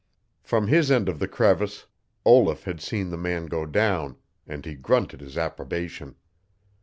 From his end of the crevice Olaf had seen the man go down, and he grunted his approbation.